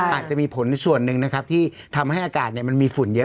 อาจจะมีผลในส่วนหนึ่งนะครับที่ทำให้อากาศมันมีฝุ่นเยอะ